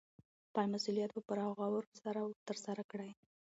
خپل مسوولیت په پوره غور سره ترسره کړئ.